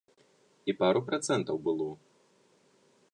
І пару працэнтаў было.